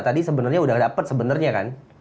tadi sebenarnya udah dapet sebenarnya kan